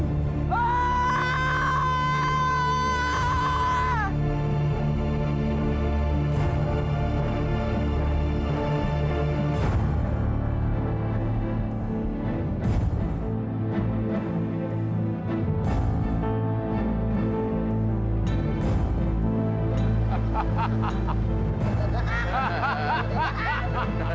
tidurkan baik baik saja